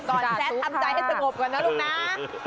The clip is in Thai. ก่อนแซ่ดทำใจให้ตะโกบก่อนนะลูกนะ